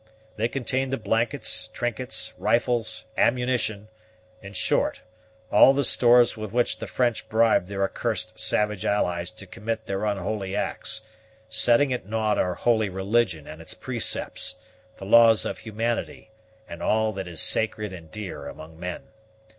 They contain the blankets, trinkets, rifles, ammunition, in short, all the stores with which the French bribe their accursed savage allies to commit their unholy acts, setting at nought our holy religion and its precepts, the laws of humanity, and all that is sacred and dear among men.